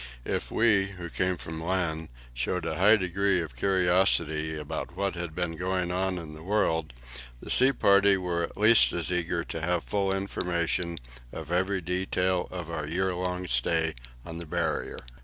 If we, who came from land, showed a high degree of curiosity about what had been going on in the world, the sea party were at least as eager to have full information of every detail of our year long stay on the Barrier.